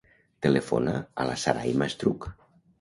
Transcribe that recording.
Telefona a la Sarayma Estruch.